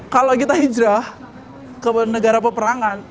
kalau kita hijrah ke negara peperangan